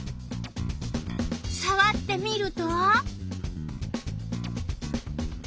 さわってみると。